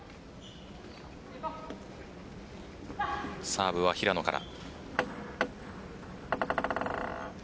サーブは平野から。